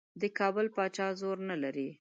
د کابل پاچا زور نه لري.